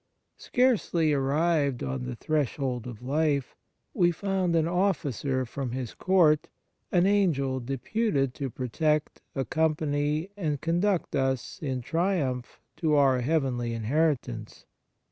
Scarcely arrived on the threshold of life, we found an officer from His court an angel deputed to protect, accompany, and conduct us in triumph to our heavenly inherit ance.